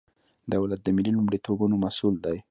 دولت د ملي لومړیتوبونو مسئول دی.